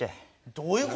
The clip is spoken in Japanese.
どういう事？